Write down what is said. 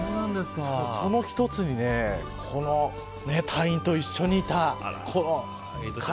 その１つに隊員と一緒にいた。